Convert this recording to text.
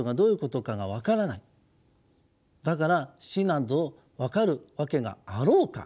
だから死なんぞを分かるわけがあろうか。